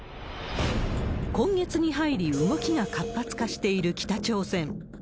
今月に入り、動きが活発化している北朝鮮。